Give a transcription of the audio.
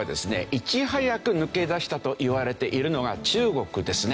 いち早く抜け出したといわれているのが中国ですね。